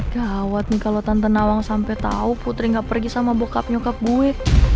gawat nih kalau tante nawang sampai tahu putri gak pergi sama bekak nyokap gue